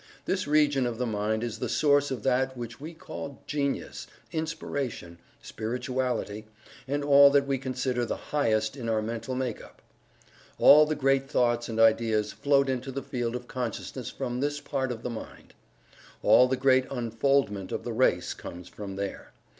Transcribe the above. This region of the mind is the source of that which we call "genius," "inspiration," "spirituality," and all that we consider the "highest" in our mental make up. All the great thoughts and ideas float into the field of consciousness from this part of the mind. All the great unfoldment of the race comes from there.